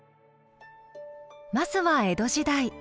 まずは江戸時代。